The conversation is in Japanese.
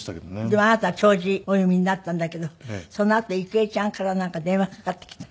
でもあなた弔辞お読みになったんだけどそのあと郁恵ちゃんからなんか電話かかってきた？